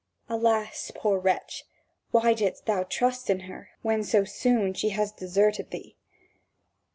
Alas, poor wretch, why didst thou trust in her, when so soon she has deserted thee!